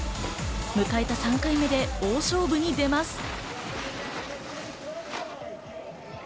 迎えた３回目で大勝負に出ます。